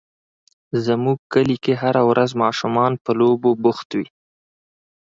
زموږ کلي کې هره ورځ ماشومان په لوبو بوخت وي.